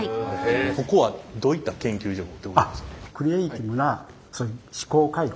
ここはどういった研究所でございますか？